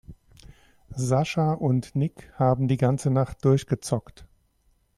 Sascha und Nick haben die ganze Nacht durchgezockt.